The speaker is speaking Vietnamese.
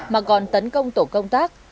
mà còn tấn công tổ công tác